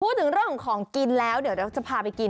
พูดถึงเรื่องของของกินแล้วเดี๋ยวเราจะพาไปกิน